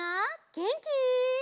げんき？